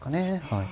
はい。